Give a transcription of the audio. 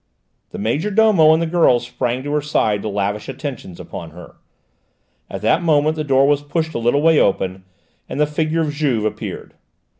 The major domo and the girls sprang to her side to lavish attentions upon her. At that moment the door was pushed a little way open, and the figure of Juve appeared.